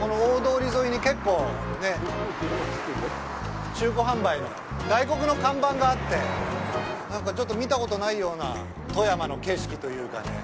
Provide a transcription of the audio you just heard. この大通り沿いに、結構、中古販売の外国の看板があって、なんか、ちょっと見たことのないような富山の景色というかね。